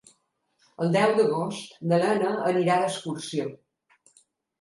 El deu d'agost na Lena anirà d'excursió.